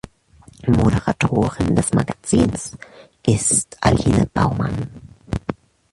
Moderatorin des Magazins ist Aline Baumann.